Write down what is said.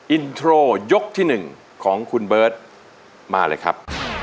อินโทรยกที่๑ของคุณเบิร์ตมาเลยครับ